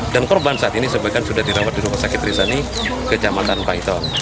dan korban saat ini sebaikan sudah dirawat di rumah sakit mirzani kecamatan paiton